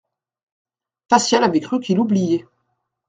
Facial avait cru qu'il oubliait.